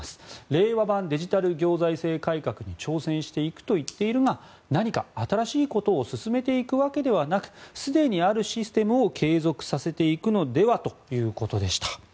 令和版デジタル行財政改革に挑戦していくと言っているが何か新しいことを進めていくわけではなくすでにあるシステムを継続させていくのではということでした。